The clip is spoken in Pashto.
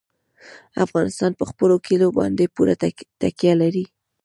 افغانستان په خپلو کلیو باندې پوره تکیه لري.